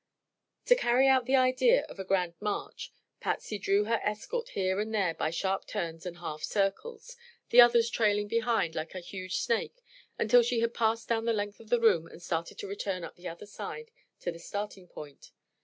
To carry out the idea of a grand march Patsy drew her escort here and there by sharp turns and half circles, the others trailing behind like a huge snake until she had passed down the length of the room and started to return up the other side to the starting point.